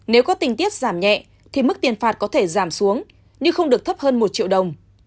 nếu có tình tiết giảm nhẹ thì mức tiền phạt có thể giảm xuống nhưng không được thấp hơn một triệu đồng